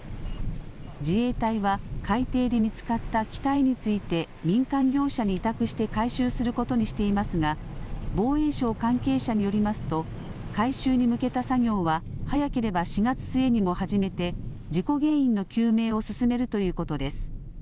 自衛隊は海底で見つかった機体について、民間業者に委託して回収することにしていますが、防衛省関係者によりますと、回収に向けた作業は早ければ４月末にも始めて、事故原因の究明を進めるということです。